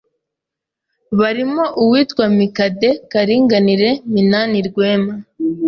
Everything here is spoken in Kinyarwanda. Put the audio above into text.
barimo uwitwa Mukade, Karinganire, Minani Rwema